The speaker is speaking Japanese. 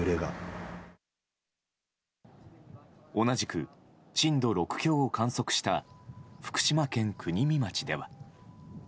同じく震度６強を観測した福島県国見町では。